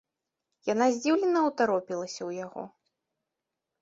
Яна здзіўлена ўтаропілася ў яго.